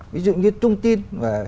ví dụ như trung tin